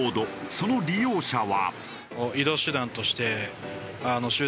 その利用者は。